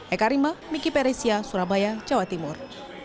eka rima miki peresia surabaya jawa timur